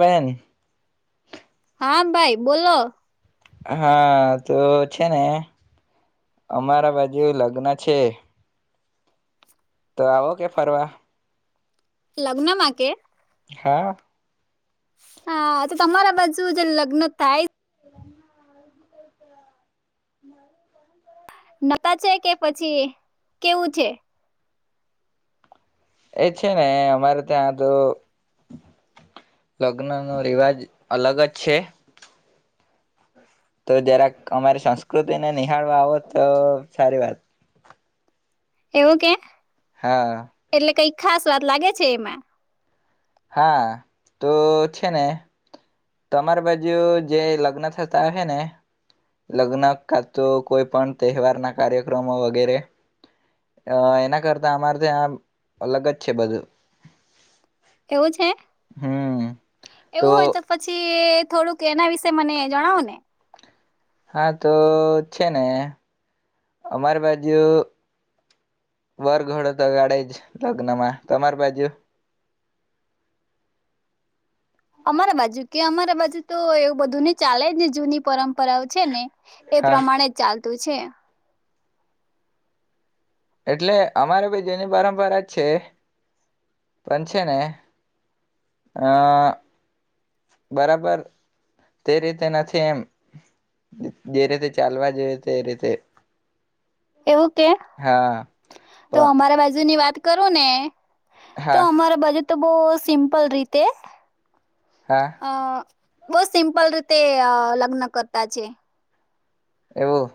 બેન હા, ભાઈ બોલો! હા, તો છે ને અમારા બાજુ લગ્ન છે. તો આવો કે ફરવા? લગ્ન માં કે? હા. હા, તો તમારા બાજુ જે લગ્ન થાય. હમ. નતા છે કે પછી કેવું છે? એ છે ને અમારે ત્યાં તો લગ્ન નો રિવાજ અલગ જ છે. તો જરાક અમારી સંસ્કૃતિને નિહાળવા આવો તો સારી વાત. એવું કે હા. એટલે કઈ ખાસ વાત લાગે છે, એમાં હા, તો છે ને તમારી બાજુ જે લગ્ન થતા હ છે, ને લગ્ન કા તો કોઈ પણ તહેવારના કાર્યક્રમો વગેરે એના કરતા અમારે ત્યાં અલગ જ છે, બધું. એવું છે. હમ એવું હોય તો પછી થોડુંક એના વિશેે મને જણાવો ને હા તો છે ને અમાર બાજુ વરઘડો તો ગાડે જ લગ્ન માં. તમામાર બાજુ? અમારા બાજુ કે અમારા બાજુ તો એવું બધું ને ચાલે જ ને જૂની પરંપરાઓ છે ને એ હા પ્રમાણે ચાલ ચાલતું છે. એટલે અમારે ભી જૂની પરંપરા જ છે, પણ છે ને આહ બરાબર તે રીતે નથી એમ જે રીતે ચાલવા જોઈએ તે રીતે. એવું. હા તો પણ અમારા બાજુની વાત કરું ને તો હા અમારા બાજુ તો બહ સિમ્પલ રીતે હા આ બો સિમ્પલ રીતે લગ્ન કરતા છે એવું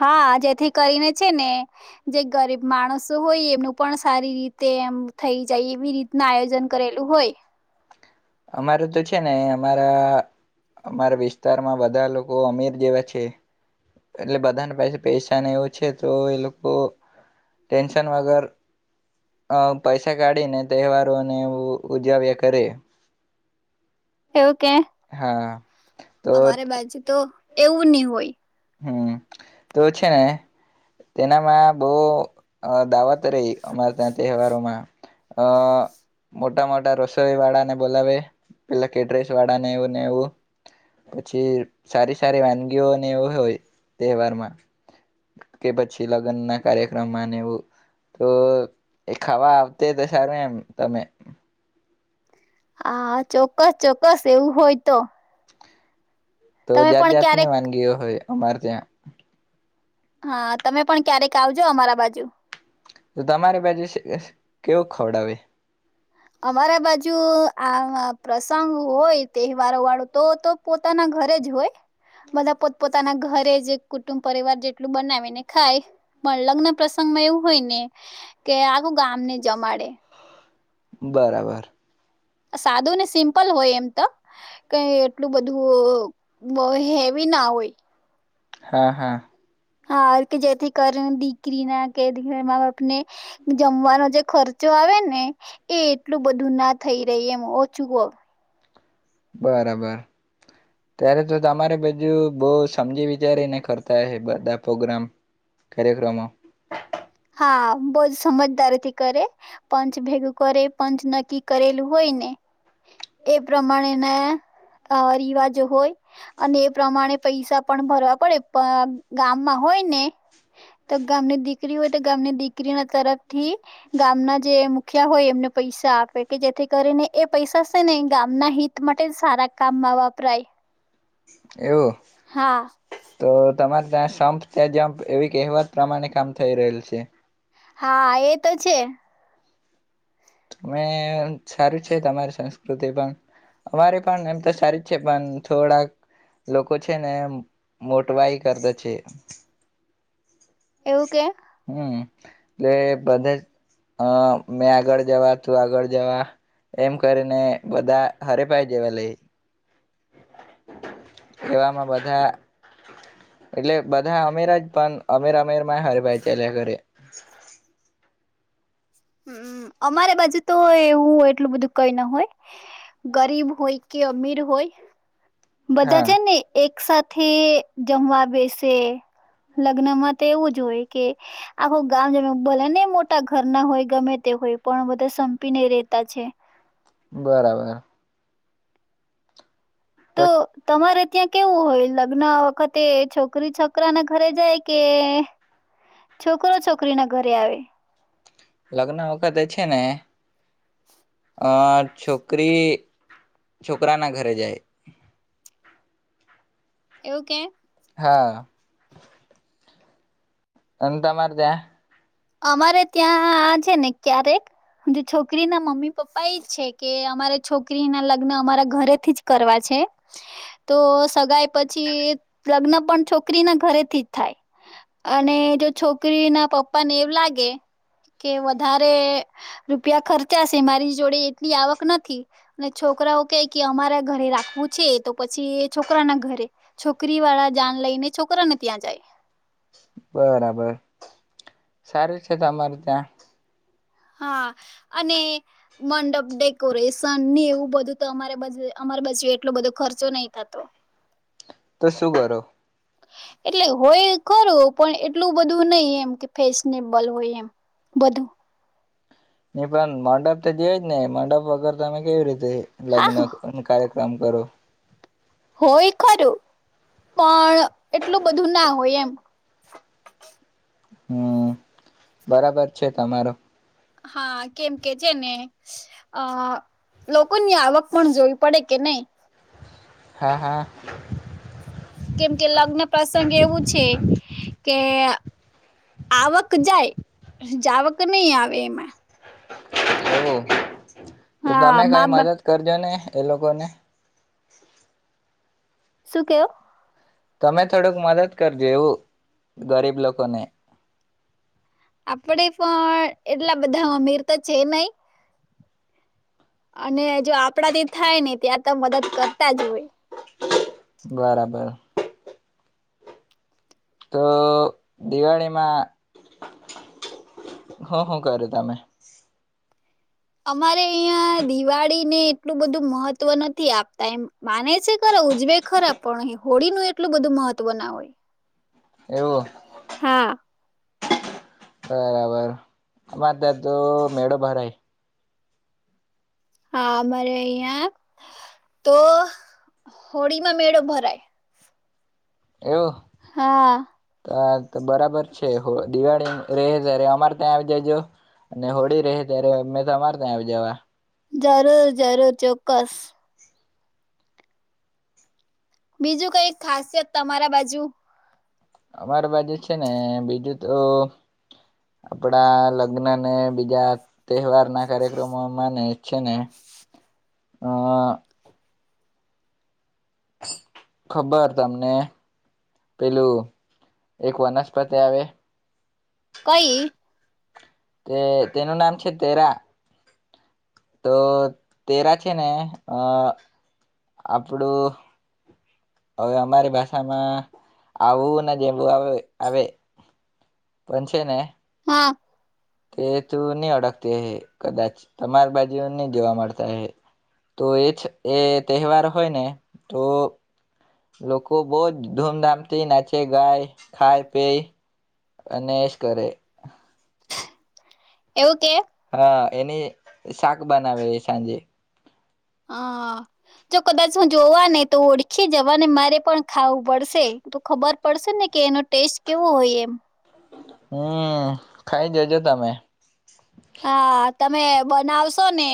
હા જેથી કરીને છે ને જે ગરીબ માણસો હોય એમનું પણ સારી રીતે એમ થઈ જાય એવી રીતના આયોજન કરેલું હોય અમારે તો છે ને અમારા અમારા વિસ્તારમાં બધા લોકો અમીર જેવા છે એટલે બધાને પાસે પૈસાને એવું છે તો એ લોકો ટેન્શન વગર પૈસા કાઢીને તહેવારોને એવ ઉજવ્યા કરે એવું કે હા તો અમારે બાજુ તો એવું ની હોય હમ્મ તો છે ને તેનામાં બો દાવત રહી અમારા ત્યાં તહેવારોમાં અ મોટા મોટા રસોઈ વાળાને બોલાવે પેલા કેટરેસ વાળા ને એવુંને એવું પછી સારી સારી વાનગીઓને એવું હોય તહેવારમાં કે પછી લગ્ન ના કાર્યક્રમમાં એવું તો એ ખાવા આવતે તો સારું એમ તમે હા ચોક્કસ ચોક્કસ એવું હોય તો તો તમે જાત પણ જાત ની ક્યારેક વાનગી હોય અમારે ત્યા હા તમે પણ ક્યારેક આવજો અમારા બાજુ તો તમારી બાજુ કેવું ખવડાવે અમારા બાજુ આ પ્રસંગ હોય તહેવારો વાળું તો તો પોતાના ઘરે જ હોય બધા પોત પોતાના ઘરે જ કુટુંબ પરિવાર જેટલું બનાવીને ખાય પણ લગ્ન પ્રસંગમાં એવું હોય ને કે આખું ગામને જમાડે બરાબર સાદું ને સિમ્પલ હોય એમ તો કઈ એટલું બધું હેવી ના હોય હા હા હા કે જેથી કરી દીકરી ના કે દીક માં જમવાનો જે ખર્ચો આવે ને એ એટલું બધું ના થઈ રહી એમ ઓછું ક બરાબર ત્યારે તો તમારે બાજુ બો સમજી વિચારીને કરતા હ બધા પ્રોગ્રામ કાર્યક્રમો હા, બહ જ સમજદારી થી કરે પંચ ભેગું કરે પંચ નક્કી કરેલું હોય ને એ પ્રમાણે ના રિવાજો હોય અને એ પ્રમાણે પૈસા પણ ભરવા પડે પણ ગામમાં હોય. ને તો ગામની દીકરીઓ ગામની દીકરીના તરફથી ગામના જે મુખિયા હોય એમને પૈસા આપે કે જેથી કરીને એ પૈસા છે ને ગામના હિત માટે સારા કામમાં વપરાય એવું. હા તો તમારે તં સંપ તે જપ એવી કહેવત પ્રમાણે કામ થઈ રહેલ છે. હા, એ તો છે. તમે સારું છે. તમારી સંસ્કૃતિ પણ અમારે પણ એમ તો સારી જ છે પણ થોડાક લોકો છે, ને મોટવાઈ કરતા છે. એવું કે હમ એટલે બધા મેં આગળ જવા તું આગળ જવા એમ કરીને બધા હરેભાઈ જેવા લે એવામાં બધા એટલે બધા અમેર જ પણ અમેર અમેરમાં હરે ભાઈ ચાલ્યા ઘરે હ અમારી બાજુ તો એવું એટલું બધું કઈ ના હોય ગરીબ હોય કે અમીર હોય બધા હા જ ને એક એક સાથે જમવા બેસે લગ્ન માં તો એવું જ હોય કે આખું ગામ જમ ભલે ને મોટા ઘર ના હોય ગમે તે હોય પણ બધા સંપીને રેતા છે બરાબર તો તમારે ત્યાં કેવું હોય લગ્ન વખતે છોકરી છોકરા ના ઘરે જાય કે છોકરો છોકરી ના ઘરે આવે લગ્ન વખતે છે ને અ છોકરી છોકરા ના ઘરે જાય એવું કે હા એતા મારદે અમારે ત્યાં આ છે ને ક્યારેક છોકરી ના મમ્મી પપ્પા એજ છે કે અમારે છોકરી ના લગ્ન અમારા ઘરેથી જ કરવા છે તો સગાઈ પછી લગ્ન પણ છોકરી ના ઘરેથી જ થાય અને જો છોકરી ના પપ્પા પપ્પાને એવ લાગે કે વધારે રૂપિયા ખર્ચાશે મારી જોડે એટલી આવક નથી અને છોકરાઓ કે કે અમારા ઘરે રાખવું છે તો પછી છોકરા ના ઘરે છોકરી વાળા જાન લઈને છોકરાને ત્યાં જાય બરાબર સારું છે તમારે ત્યાં હા અને મંડપ ડેકોરેશન એવું બધું તો અમારે અમારી બાજી એટલો બધો ખર્ચો નહી થતો તો શું કરો એટલે હોય કરું પણ એટલું બધું નહીિ એમ કે ફેશનેબલ હોય એમ બધું પણ મંડપ તો જો જ ને મંડપ વગર તમે કેવી રીતે હા લગ્ન કાર્ય કામ કરો હોય ખરું પણ એટલું બધું ના હોય એમ હમ બરાબર છે તમારો હા કેમ કે છે ને અ લોકોની આવક પણ જોવી પડે કે નહી હા હા કેમ કે લગ્ન પ્રસંગે એવું છે કે આવક જાય જાવક નહી આવે એમાં હ તો હા તમે કઈ મા બા મદદ કરજો ને એ લોકોગને શું કેો તમે થોડુંક મદદ કરજો એવું ગરીબ લોકોને આપડે પણ એટલા બધા અમીર તો છે નહ અને જો આપડાથી થાય ને ત્યાં તો મદદ કરતા જ હોય બરાબર તો દિવાળીમાં હું શું કરું તમે અમારે અહં દિવાળીને એટલું બધું મહત્વ નથી આપતા એમ માને છે ખરા ઉજવે ખરા પણ હોળીનુંું એટલું બધું મહત્વ ના હોય એવું હા. બરાબર વાત દ તો મેળો ભરાય. હા અમારે અહિયાં તો હોળીમાં મેળો ભરાય. એવું. હા. હ તો બરાબર છે હો દિવાળી રહે ત્યારે અમારે ત્યાં આવી જજો અને હોળી રહે ત્યારે અમે તમાર ત્યાં આવી જવા. જરૂર જરૂર ચોક્કસ. બીજું કઈ ખાસિયત તમારા બાજુ. અમારી બાજુ છે ને બીજું તો આપડા લગ્ન ને બીજા... તહેવારના કાર્યક્રમોમાંને... છે ને અહ... ખબર તમને પેલું એક વનસ્પતિ આવે? કઈ તે તેનું નામ છે તેરા... તો તેરા છે ને અ આપડું હવે અમારી ભાષામાં આવું ને, જેવું આવે. આવે. પન છેને... હા. તે તું ની ઓડખતી અહે. કદાચ. તમાર બાજુઓ ની જોવા મળતા અહે. તો એ... એ તહેવાર હોય ને તો, લોકો બહુ જ ધૂમધામ થી નાચે, ગાય, ખાય, પી અને એસ કરે. એવું. કે હા એની... શાક બનાવે એ સાંજે... હા જો કદાચ હું જોવા ને તો ઓળખી જવા ને મારે પણ ખાવું પડશે, તો ખબર પડશે ને કે એનો ટેસ્ટ કેવો હોય એમ. હમ ખાઈ જજો તમે. હા. તમે બનાવશો ને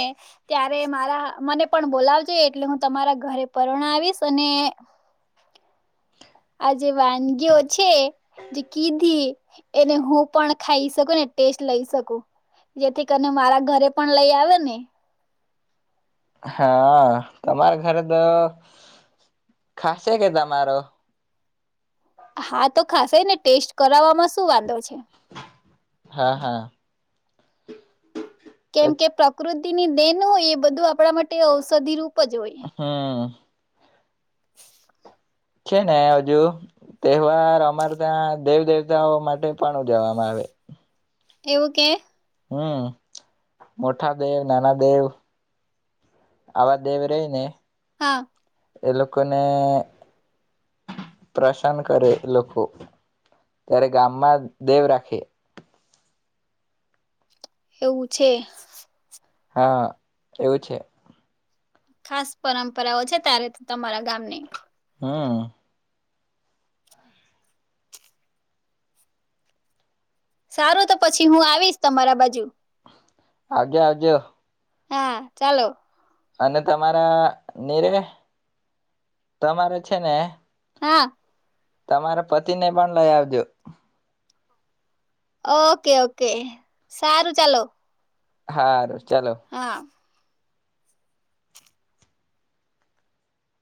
ત્યારે મારા મને પણ બોલાવજો એટલે હું તમારા ઘરે પરણાવીશ અને. આ જે વાનગીઓ છે જે કીધી એને હું પણ ખાઈ શકું ને ટેસ્ટ લઈ શકું, જેથી કરીને મારા ઘરે પણ લઈ આવે ને. હા તમારે. [unintelligible] ખાસે કે તમારો? હા તો ખાસે જ ને, ટેસ્ટ કરાવવામાં શું વાંધો છે? હા હા. કેમ કે પ્રકૃત તેની દેન હોય એ બધું આપણા માટે ઔષધિ રુપ... હા. [inaudible] છે ને હજુ તહેવાર અમાર ત્યાં. દેવ દેવતાઓ માટે પણ ઉજવવામાં આવે. એવું કે? હમ મોઠા દેવ, નાના દેવ. આવા દેવ રહી ને. હા. એ લોકોને પ્રસનન કરે, એ લોકો. ત્યારે ગામમાં દેવ રાખે. એવું છે. હા એવું છે ખાસ પરંપરાઓ છે તારે તમારા ગામની હા સારું તો પછી હું આવીશ તમારા બાજુ આજે આજે હા ચાલો અને તમારા નીરે તમારે છે ને હા તમારા પતિને પણ લઈ આવજો ઓકે ઓકે સારું ચાલો હા ર હા